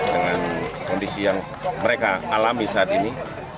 dengan kondisi yang mereka alami saat ini